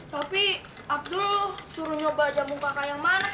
tapi abdul suruh nyoba jamu kakak yang mana kak